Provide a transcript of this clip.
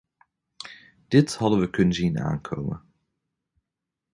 Dit hadden we kunnen zien aankomen.